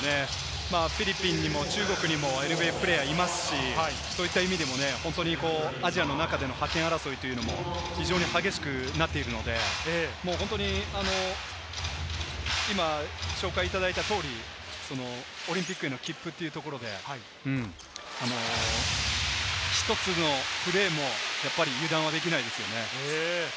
フィリピンにも中国にもＮＢＡプレーヤーいますし、そういった意味でも、アジアの中での覇権争いも非常に激しくなっていくので、今紹介いただいた通り、オリンピックへの切符というところで、１つのプレーも油断はできないですよね。